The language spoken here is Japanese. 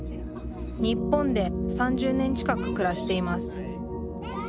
日本で３０年近く暮らしています。